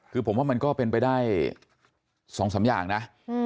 คือผมว่ามันก็เป็นไปได้๒๓อย่างนะ